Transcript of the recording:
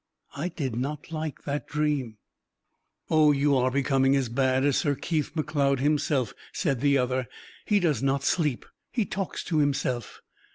I did not like that dream." "Oh, you are becoming as bad as Sir Keith Macleod himself!" said the other. "He does not sleep. He talks to himself.